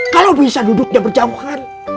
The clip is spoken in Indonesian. kalau bisa duduk dan berjauhan